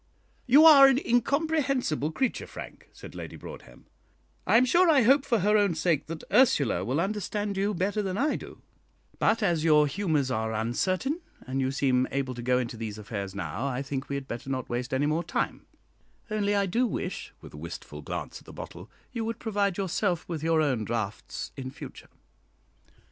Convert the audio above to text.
"You are an incomprehensible creature, Frank," said Lady Broadhem; "I am sure I hope for her own sake that Ursula will understand you better than I do; but as your humours are uncertain, and you seem able to go into these affairs now, I think we had better not waste any more time; only I do wish" (with a wistful glance at the bottle) "you would provide yourself with your own draughts in future."